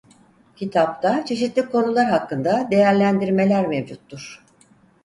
Kitapta çeşitli konular hakkında değerlendirmeler mevcuttur.